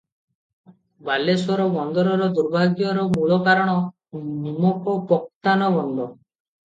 ବାଲେଶ୍ୱର ବନ୍ଦରର ଦୁର୍ଭାଗ୍ୟର ମୂଳକାରଣ, ନିମକ ପୋକ୍ତାନ ବନ୍ଦ ।